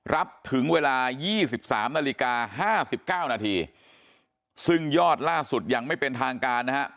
ถึงเวลา๒๓นาฬิกา๕๙นาทีซึ่งยอดล่าสุดยังไม่เป็นทางการนะฮะ